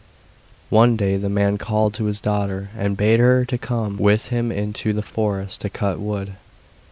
One day the man called to his daughter and bade her come with him into the forest to cut wood.